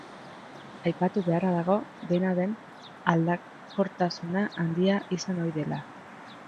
Aipatu beharra dago, dena den, aldakortasuna handia izan ohi dela.